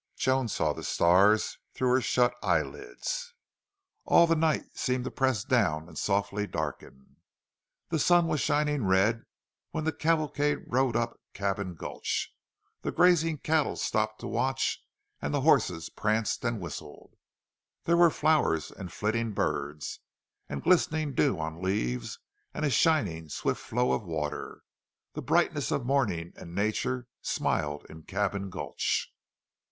Joan saw the stars through her shut eyelids. All the night seemed to press down and softly darken. The sun was shining red when the cavalcade rode up Cabin Gulch. The grazing cattle stopped to watch and the horses pranced and whistled. There were flowers and flitting birds, and glistening dew on leaves, and a shining swift flow of water the brightness of morning and nature smiled in Cabin Gulch.